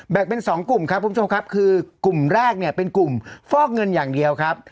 เป็นสองกลุ่มครับคุณผู้ชมครับคือกลุ่มแรกเนี่ยเป็นกลุ่มฟอกเงินอย่างเดียวครับ